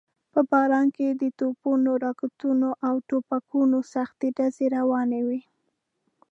په باران کې د توپونو، راکټونو او ټوپکونو سختې ډزې روانې وې.